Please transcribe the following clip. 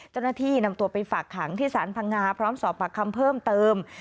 เจ้าหน้าที่นำตัวไปฝากขังที่สารพังงาพร้อมสอบปากคำเพิ่มเติม